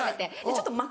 ちょっとま